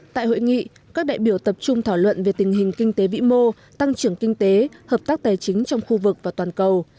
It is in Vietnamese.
tại hội nghị các đại biểu tập trung thảo luận về tình hình kinh tế vĩ mô tăng trưởng kinh tế hợp tác tài chính trong khu vực và toàn cầu